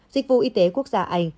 dịch vụ y tế quốc gia anh